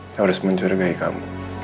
yang harus mencurigai kamu